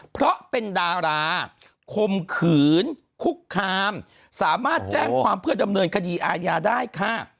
เพราะเป็นดาราคมขืนคุกคามสามารถแจ้งความเพื่อดำเนินคดีอาญาได้ค่ะ